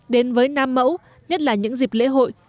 đến với nam mẫu nhất là những dịp lễ hội